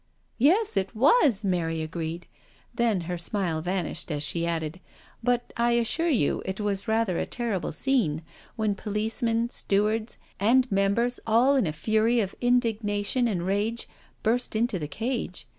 " Yes, it was," Mary agreed; then her smile vanished as she added, " but I assure you it was rather a terrible scene, when policemen, stewards, and Members, all in a fury of indignation and rage, burst into the cage.